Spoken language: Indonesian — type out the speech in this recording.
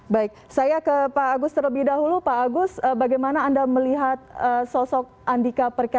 baik saya ke pak agus terlebih dahulu pak agus bagaimana anda melihat sosok andika perkasa